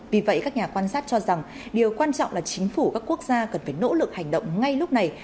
vì vậy các nhà quan sát cho rằng điều quan trọng là chính phủ các quốc gia cần phải nỗ lực hành động ngay lúc này